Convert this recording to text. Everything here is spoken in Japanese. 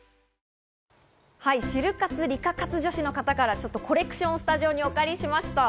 シル活、リカ活女子の方から、コレクションをスタジオにお借りしました。